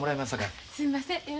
すんません